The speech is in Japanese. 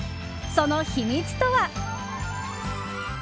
その秘密とは。